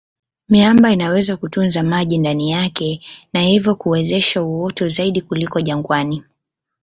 Miamba inaweza kutunza maji ndani yake na hivyo kuwezesha uoto zaidi kuliko jangwani.